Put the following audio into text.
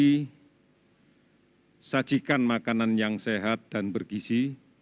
kemudian kendalikan emosi sajikan makanan yang sehat dan bergizi